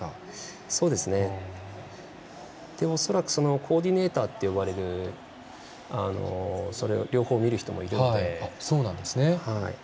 恐らくコーディネーターと呼ばれる、両方見る人もいるので。